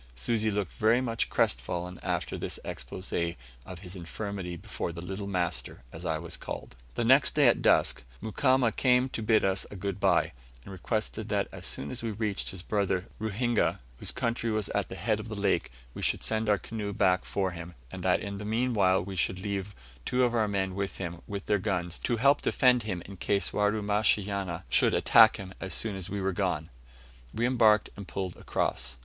Susi looked very much crestfallen after this exposé of his infirmity before the "little master," as I was called. The next day at dusk Mukamba having come to bid us good bye, and requested that as soon as we reached his brother Ruhinga, whose country was at the head of the lake, we would send our canoe back for him, and that in the meanwhile we should leave two of our men with him, with their guns, to help defend him in case Warumashanya should attack him as soon as we were gone we embarked and pulled across.